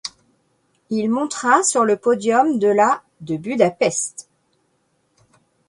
Il montera sur le podium de la de Budapest.